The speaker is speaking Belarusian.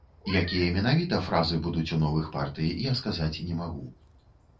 Якія менавіта фразы будуць у новых партый, я сказаць не магу.